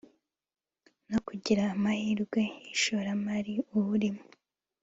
no kureba amahirwe y’ishoramari awurimo